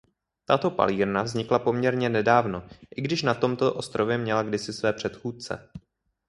Tato palírna vznikla poměrně nedávno i když na tomto ostrově měla kdysi své předchůdce.